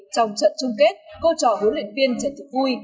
trong trận chung kết cô trò huấn luyện viên trần thực vui